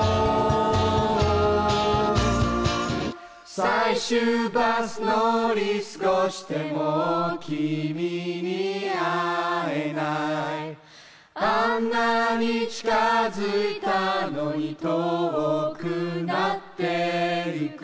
「最終バス乗り過ごして」「もう君に会えない」「あんなに近づいたのに遠くなってゆく」